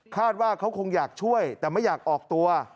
คาดว่าเขาคงอยากช่วยแต่ไม่อยากออกตัว